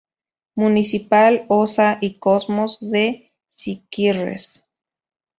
Municipal Osa y Cosmos de Siquirres.